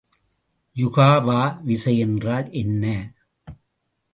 யுகாவா விசை என்றால் என்ன?